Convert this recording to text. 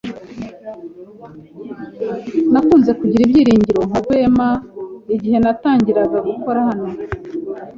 Nakunze kugira ibyiringiro nka Rwema igihe natangiraga gukora hano.